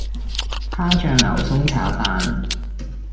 蝦醬牛崧炒飯